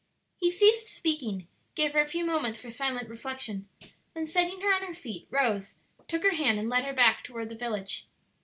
He ceased speaking, gave her a few moments for silent reflection, then setting her on her feet, rose, took her hand, and led her back toward the village.